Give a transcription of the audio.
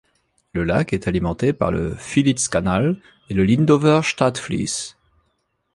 Le lac est alimenté par le Vielitzkanal et le Lindower Stadtfließ.